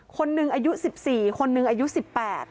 คนหนึ่งอายุสิบสี่คนหนึ่งอายุสิบแปด